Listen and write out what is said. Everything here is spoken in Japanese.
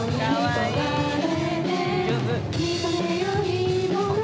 上手。